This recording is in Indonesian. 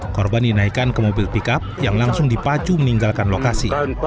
korban dinaikkan ke mobil pickup yang langsung dipacu meninggalkan lokasi